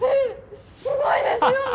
すごいですよね。